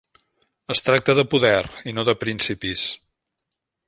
Es tracta de poder i no de principis.